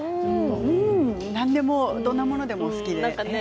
何でもどんなものでもお好きで。